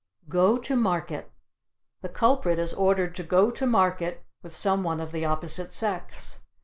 Go to Market. The culprit is ordered to go to market with some one of the opposite sex.